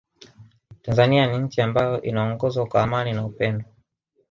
Tanzania ni nchi ambayo inaongozwa kwa amani na upendo